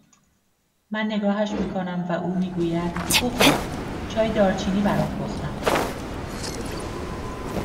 من نگاهش میکنم و او میگوید: بخور چای دارچینی برات پختم